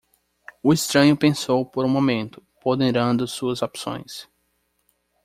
O estranho pensou por um momento, ponderando suas opções.